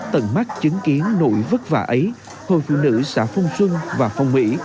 tầng mắt chứng kiến nỗi vất vả ấy hội phụ nữ xã phong xuân và phong mỹ